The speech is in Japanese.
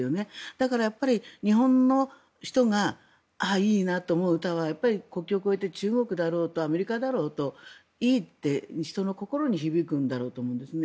だから、日本の人がああ、いいなと思う歌はやっぱり国境を超えて中国だろうとアメリカだろうといいって人の心に響くんだろうと思うんですね。